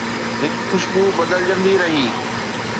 هڪ خوشبو بدلجندي رهي